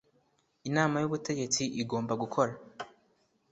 Inama y ubutegetsi igomba gukora